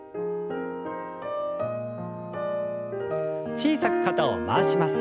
小さく肩を回します。